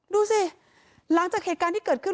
ดูสิหลังจากเหตุการณ์ที่เกิดขึ้น